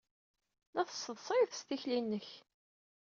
La tesseḍsayed s tikli-nnek.